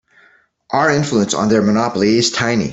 Our influence on their monopoly is tiny.